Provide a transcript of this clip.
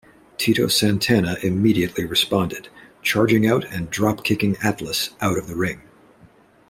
Tito Santana immediately responded, charging out and drop-kicking Atlas out of the ring.